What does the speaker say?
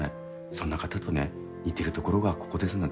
そんな方とね似てるところがここですなんてね